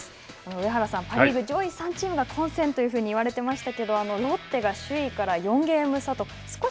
上原さん、パ・リーグ上位３チームが混戦というふうにいわれてましたけどロッテが首位から４ゲーム差